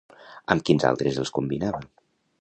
Amb quins altres els combinava?